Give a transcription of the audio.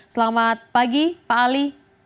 selamat pagi pak ali